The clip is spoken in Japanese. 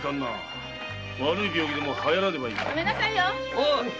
おい！